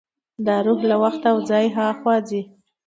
دا روح له وخت او ځای هاخوا ځي.